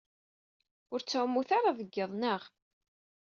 Ur tettɛumumt ara deg yiḍ, naɣ?